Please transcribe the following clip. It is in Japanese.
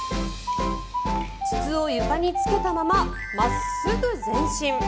筒を床につけたまま真っすぐ前進。